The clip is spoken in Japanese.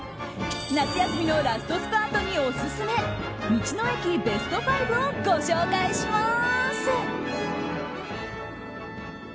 夏休みのラストスパートにオススメ道の駅ベスト５をご紹介します。